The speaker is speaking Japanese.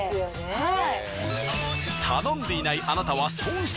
はい。